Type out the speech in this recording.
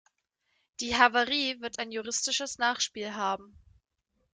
Die Havarie wird ein juristisches Nachspiel haben.